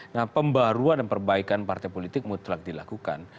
nah pembaruan dan perbaikan partai politik mutlak dilakukan